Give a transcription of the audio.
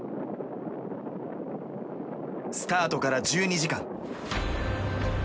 スタートから１２時間。